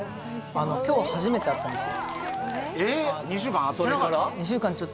今日初めて会ったんですよえっ